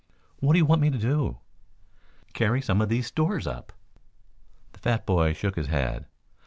"What you want me to do?" "Carry some of these stores up." The fat boy shook his head.